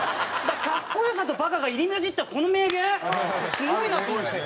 かっこよさとバカが入り交じったこの名言すごいなと思った。